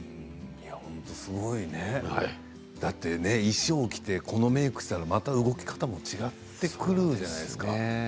本当にすごいねだって衣装を着てこのメークをしたらまた動き方も違ってくるじゃないですか。